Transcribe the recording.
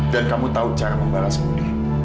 dan kamu tau cara membalas budi